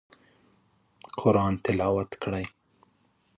قرآن تلاوت کړئ